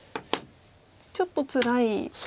ちょっとつらい生きを。